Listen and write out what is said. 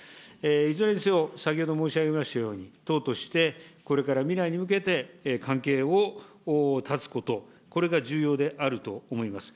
いずれにせよ、先ほど申し上げましたように、党としてこれから未来に向けて、関係を断つこと、これが重要であると思います。